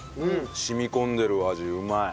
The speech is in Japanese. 染み込んでる味うまい。